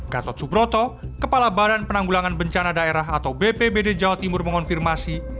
gatot subroto kepala badan penanggulangan bencana daerah atau bpbd jawa timur mengonfirmasi